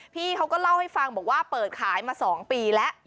พี่เขาก็เล่าให้ฟังบอกว่าเปิดขายมา๒ปีแล้ว